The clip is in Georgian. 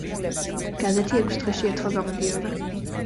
გაზეთი ექვს დღეში ერთხელ გამოდიოდა.